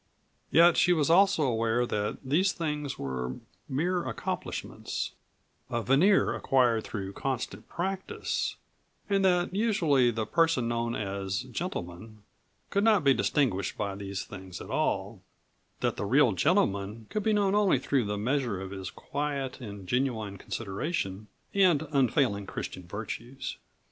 Yet she was also aware that these things were mere accomplishments, a veneer acquired through constant practice and that usually the person known as "gentleman" could not be distinguished by these things at all that the real "gentleman" could be known only through the measure of his quiet and genuine consideration and unfailing Christian virtues.